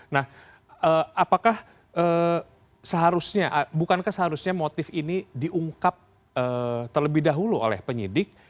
nah apakah seharusnya bukankah seharusnya motif ini diungkap terlebih dahulu oleh penyidik